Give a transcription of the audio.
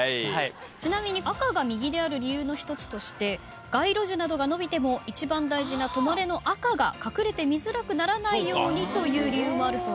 赤が右である理由の一つとして街路樹などが伸びても一番大事な「止まれ」の赤が隠れて見づらくならないようにという理由もあるそうです。